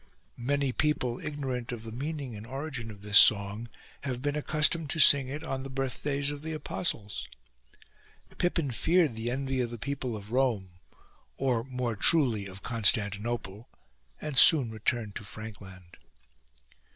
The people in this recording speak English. (Many people, ignorant of the meaning and origin of this song, have been accustomed to sing it on the birthdays of the apostles.) Pippin feared 140 HIS PROWESS the envy of the people of Rome (or, more truly, ox Constantinople) and soon returned to Frankland.